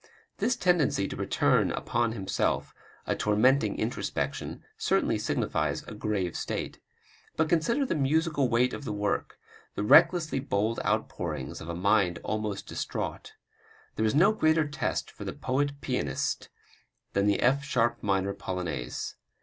This tendency to return upon himself, a tormenting introspection, certainly signifies a grave state. But consider the musical weight of the work, the recklessly bold outpourings of a mind almost distraught! There is no greater test for the poet pianist than the F sharp minor Polonaise.